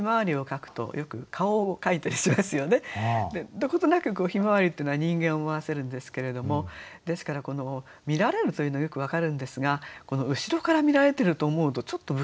どことなく向日葵っていうのは人間を思わせるんですけれどもですから見られるというのはよく分かるんですが後ろから見られていると思うとちょっと不気味じゃありませんか。